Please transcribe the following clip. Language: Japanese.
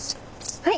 はい！